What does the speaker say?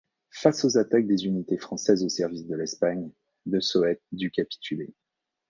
Face aux attaques des unités françaises au service de l'Espagne, de Soete dut capituler.